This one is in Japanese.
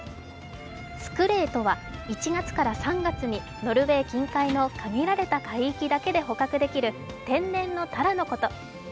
スクレイとは１月から３月にノルウェー近海の限られた海域だけで捕獲できる天然のタラのこと。